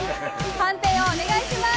判定をお願いします。